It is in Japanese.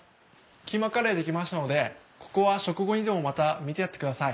キーマカレー出来ましたのでここは食後にでもまた見てやってください。